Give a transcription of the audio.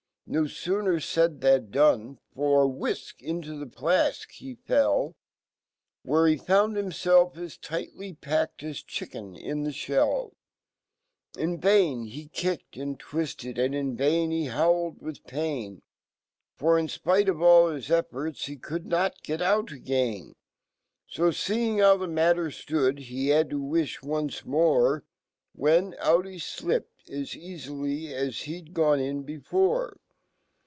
J> Moiooner fald than done; for, Whf/k/ into theflafk he fell , Where hefbundhimfelf as tightly padced as chicken in the fheil . Invain he kicked and twifted , and invainhe ho wled wifh pain; F o r,in fpiteofaJl his efforts, he/ could not get out again. fa^eing how fhe matter stood f he had to wifh once more . When, out henipped,as eaflly as he'd gone in before.